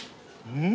うん！